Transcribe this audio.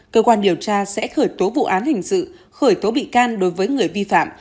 cơ quan điều tra sẽ khởi tố vụ án hình sự khởi tố bị can đối với người vi phạm